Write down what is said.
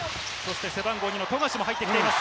背番号２、富樫も入ってきています。